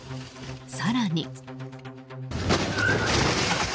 更に。